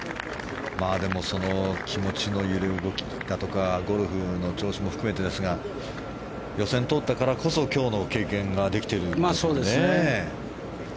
でもその気持ちの揺れ動きだとかゴルフの調子も含めてですが予選を通ったからこそ、今日の経験ができているんですね。